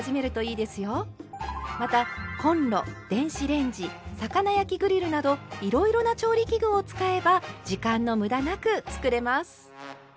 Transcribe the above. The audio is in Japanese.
またコンロ電子レンジ魚焼きグリルなどいろいろな調理器具を使えば時間のむだなく作れます。